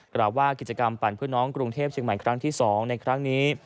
กล่าวว่ากิจกรรมปั่นเพื่อน้องกรุงเทพเชียงใหม่ครั้งที่๒ในครั้งนี้